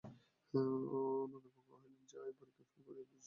অন্নদাবাবু কহিলেন, সে আইন-পরীক্ষায় ফেল করিয়া পশ্চিমে হাওয়া খাইতে গেছে।